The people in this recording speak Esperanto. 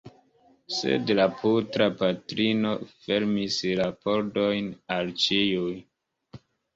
Sed la putra patrino fermis la pordojn al ĉiuj!